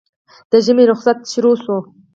د ژمي روخصت پېل شو